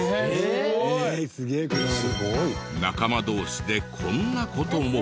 仲間同士でこんな事も。